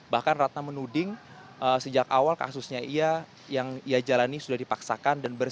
bahkan ratna menuding sejak awal kasusnya ia yang ia jalani sudah dipaksakan